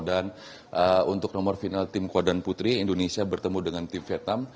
dan untuk nomor final tim kuadran putri indonesia bertemu dengan tim vietam